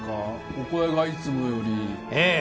お声がいつもよりええ